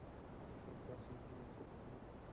সার্সিকে গিয়ে মনের কথা খুলে বলো।